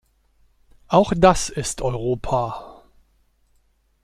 Auch das ist Europa.